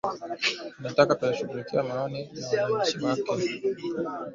anataka kuyashughulikia maoni ya wananchi wake